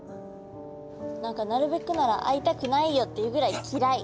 何かなるべくなら会いたくないよっていうぐらいきらい。